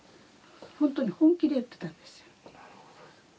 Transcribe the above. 本当に本気で言ってたんですよ。